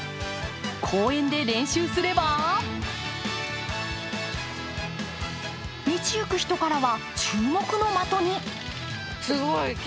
公園で練習すれば、道行く人からは注目の的に。